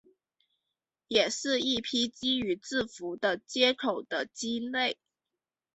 也是一批基于字符的接口的基类。